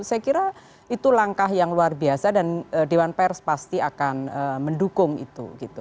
saya kira itu langkah yang luar biasa dan dewan pers pasti akan mendukung itu